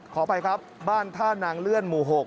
ขออภัยครับบ้านท่านางเลื่อนหมู่๖